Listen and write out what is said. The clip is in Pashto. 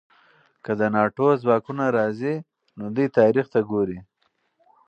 که د ناټو ځواکونه راځي، نو دوی تاریخ ته ګوري.